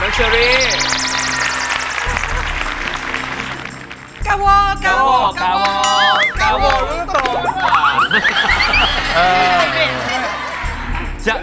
กะโหรึเปล่า